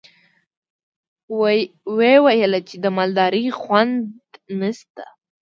ويې ويل چې د مالدارۍ خونده نشته.